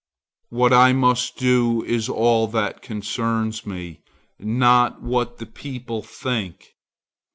What I must do is all that concerns me, not what the people think.